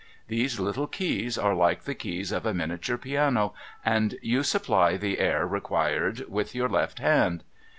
These little keys are like the keys of a minia ture piano, and you supply the air required with your left hand.